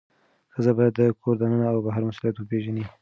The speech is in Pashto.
ښځه باید د کور دننه او بهر مسؤلیت وپیژني.